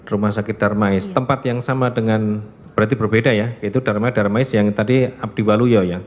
rumah sakit darmais tempat yang sama dengan berarti berbeda ya itu dharma darmais yang tadi abdi waluyo ya